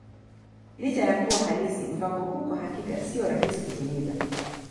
Licha ya kuwa halisi, mpango huu kwa hakika sio rahisi kutimiza.